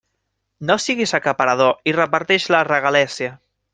No siguis acaparador i reparteix la regalèssia.